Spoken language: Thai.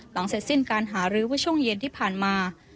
เสร็จสิ้นการหารื้อเมื่อช่วงเย็นที่ผ่านมา